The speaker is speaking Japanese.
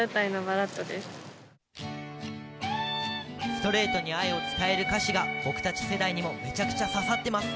ストレートに愛を伝える歌詞が僕たち世代にもめちゃくちゃ刺さってます。